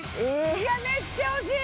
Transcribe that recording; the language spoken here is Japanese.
いやめっちゃ惜しい！